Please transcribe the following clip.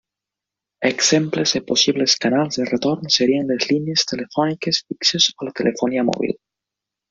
Exemples de possibles canals de retorn serien les línies telefòniques fixes o la telefonia mòbil.